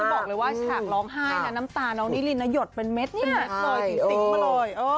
แล้วจะบอกเลยว่าฉากร้องไห้นะน้ำตาน้องนิรินนะหยดเป็นเม็ดเนี่ย